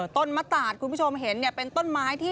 ต้นมะตาดคุณผู้ชมเห็นเป็นต้นไม้